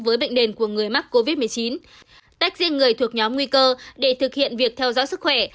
với bệnh nền của người mắc covid một mươi chín tách riêng người thuộc nhóm nguy cơ để thực hiện việc theo dõi sức khỏe